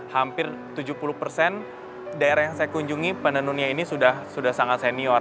hampir tujuh puluh persen daerah yang saya kunjungi penenunnya ini sudah sangat senior